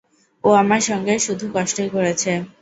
ও আমার সঙ্গে শুধু কষ্টই করেছে।